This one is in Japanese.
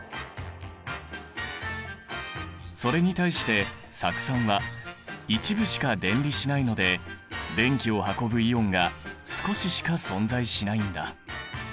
それに対して酢酸は一部しか電離しないので電気を運ぶイオンが少ししか存在しないんだ。